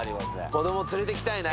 子供連れてきたいな。